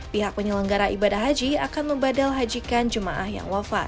pihak penyelenggara ibadah haji akan membadal hajikan jemaah yang wafat